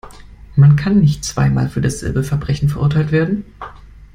Man kann nicht zweimal für dasselbe Verbrechen verurteilt werden.